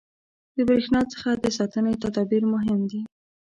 • د برېښنا څخه د ساتنې تدابیر مهم دي.